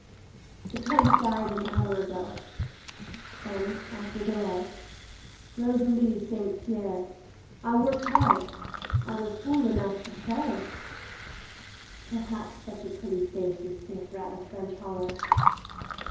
"The tenth died an hour ago/* Then, after delay — "Rosalie St Pierre 1 worked hard. I was fool enough to pray," "Perhaps such a pretty face is safer out of French Hollow.'